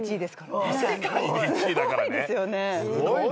すごいね。